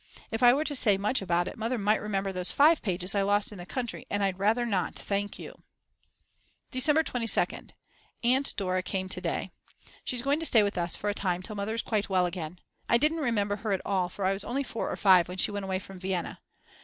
If I were to say much about it Mother might remember those 5 pages I lost in the country and I'd rather not thank you. December 22nd. Aunt Dora came to day. She's going to stay with us for a time till Mother is quite well again. I didn't remember her at all, for I was only four or five when she went away from Vienna.